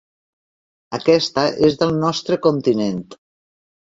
Aquesta és del nostre continent.